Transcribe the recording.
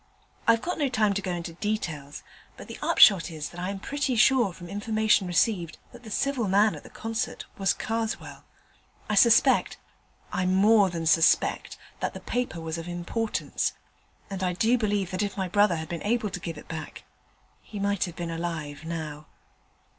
I've not time to go into details, but the upshot is that I am pretty sure from information received that the civil man at the concert was Karswell: I suspect I more than suspect that the paper was of importance: and I do believe that if my brother had been able to give it back, he might have been alive now.